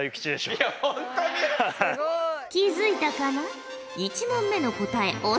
気付いたかな？